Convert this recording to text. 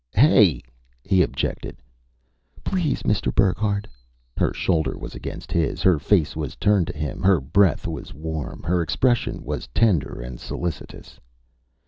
"Hey!" he objected. "Please, Mr. Burckhardt." Her shoulder was against his, her face was turned to him, her breath was warm, her expression was tender and solicitous.